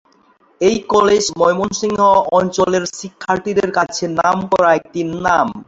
এই কলেজ ময়মনসিংহ অঞ্চলের শিক্ষার্থীদের কাছে নামকরা একটি নাম।